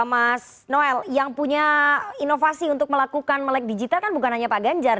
mas noel yang punya inovasi untuk melakukan melek digital kan bukan hanya pak ganjar